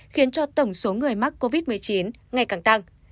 khiến cho tổng số người mắc covid một mươi chín ngày càng tăng